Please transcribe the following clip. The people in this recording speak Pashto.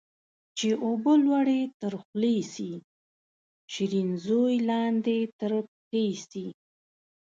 چي اوبه لوړي تر خولې سي ، شيرين زوى لاندي تر پښي سي